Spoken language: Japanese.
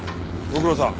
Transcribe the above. ご苦労さん。